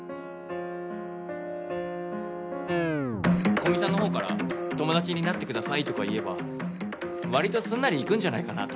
古見さんの方から「友達になって下さい」とか言えば割とすんなりいくんじゃないかなと。